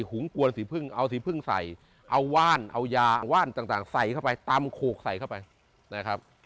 ุงกวนสีพึ่งเอาสีพึ่งใส่เอาว่านเอายาว่านต่างใส่เข้าไปตำโขกใส่เข้าไปนะครับ